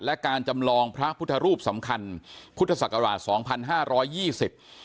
และการจำลองพระพุทธรูปสำคัญพุทธศักราชสองพันห้าร้อยยี่สิบ